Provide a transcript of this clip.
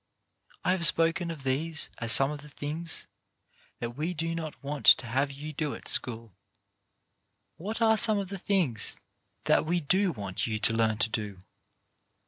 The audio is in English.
I have spoken of these as some of the things that we do not want to have you do at school. What are some of the things that we do want you to learn to do?